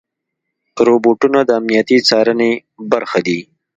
روبوټونه د امنیتي څارنې برخه دي.